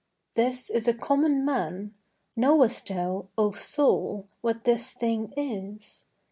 'This is a common man: knowest thou, O soul, What this thing is?